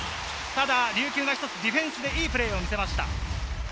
ただ、琉球が一つディフェンスでいいプレーを見せました。